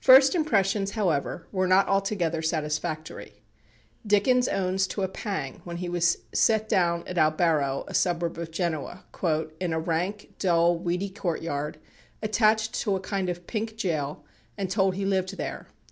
First impressions, however, were not altogether satisfactory. Dickens owns to a pang when he was "set down" at Albaro, a suburb of Genoa, "in a rank, dull, weedy courtyard, attached to a kind of pink jail, and told he lived there."